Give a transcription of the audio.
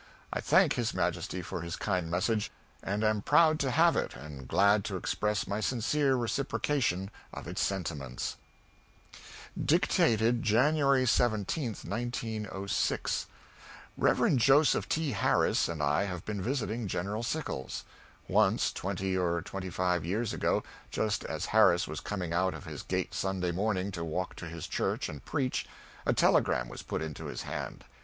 I thank his Majesty for his kind message, and am proud to have it and glad to express my sincere reciprocation of its sentiments. [Dictated January 17, 1906.] ... Rev. Joseph T. Harris and I have been visiting General Sickles. Once, twenty or twenty five years ago, just as Harris was coming out of his gate Sunday morning to walk to his church and preach, a telegram was put into his hand.